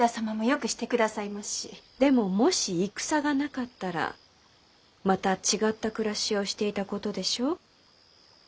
でももし戦がなかったらまた違った暮らしをしていたことでしょう？